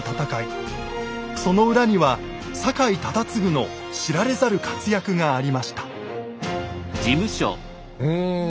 その裏には酒井忠次の知られざる活躍がありましたうん！